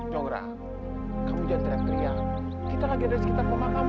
jang rang kamu jangan teriak teriak kita lagi dari sekitar ke makam